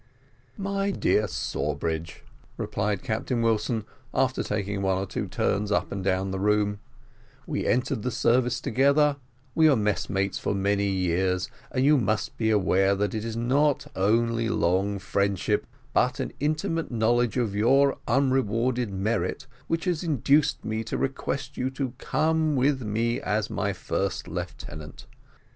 "My dear Sawbridge," replied Captain Wilson, after taking one or two turns up and down the room, "we entered the service together, we were messmates for many years, and you must be aware that it is not only long friendship but an intimate knowledge of your unrewarded merit, which has induced me to request you to come with me as my first lieutenant.